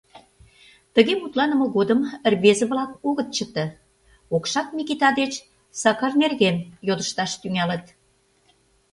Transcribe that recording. Тыге мутланыме годым рвезе-влак огыт чыте — Окшак Микита деч Сакар нерген йодышташ тӱҥалыт.